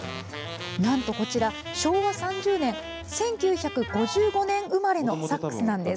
なんとこちら昭和３０年１９５５年生まれのサックスなんです。